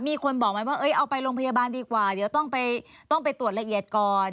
มีคนบอกไหมว่าเอาไปโรงพยาบาลดีกว่าเดี๋ยวต้องไปตรวจละเอียดก่อน